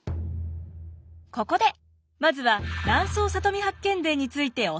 ここでまずは「南総里見八犬伝」についておさらい。